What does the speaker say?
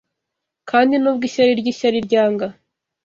Kandi, nubwo ishyari ryishyari ryanga